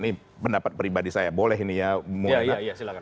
ini pendapat pribadi saya boleh ini ya